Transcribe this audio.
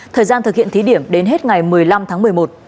thời gian thực hiện thí điểm đến hết ngày một mươi năm tháng một mươi một